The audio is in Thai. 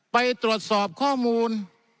ไปตรวจสอบข้อมูล